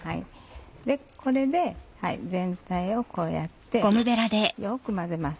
これで全体をこうやってよく混ぜます。